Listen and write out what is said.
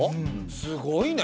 すごいね。